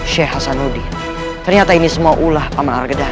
sheikh hasanuddin ternyata ini semua ulah paman argedan